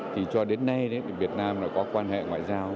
thì cho đến nay việt nam là có quan hệ ngoại giao